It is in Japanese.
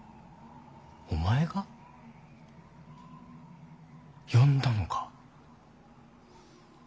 お前が呼んだのか。